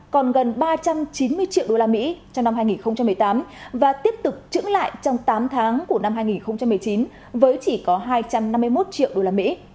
còn gần ba trăm chín mươi triệu đô la mỹ trong năm hai nghìn một mươi tám và tiếp tục trứng lại trong tám tháng của năm hai nghìn một mươi chín với chỉ có hai trăm năm mươi một triệu đô la mỹ